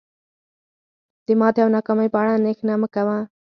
د ماتې او ناکامۍ په اړه اندیښنه مه کوه.